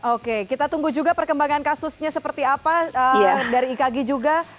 oke kita tunggu juga perkembangan kasusnya seperti apa dari ikagi juga